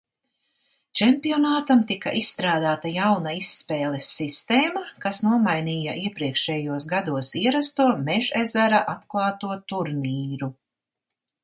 Čempionātam tika izstrādāta jauna izspēles sistēma, kas nomainīja iepriekšējos gados ierasto Mežezera atklāto turnīru.